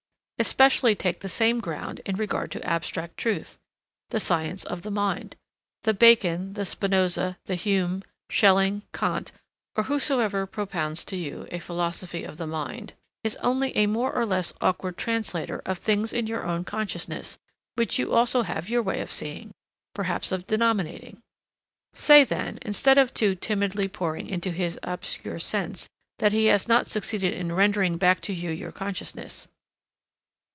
Especially take the same ground in regard to abstract truth, the science of the mind. The Bacon, the Spinoza, the Hume, Schelling, Kant, or whosoever propounds to you a philosophy of the mind, is only a more or less awkward translator of things in your consciousness which you have also your way of seeing, perhaps of denominating. Say then, instead of too timidly poring into his obscure sense, that he has not succeeded in rendering back to you your consciousness.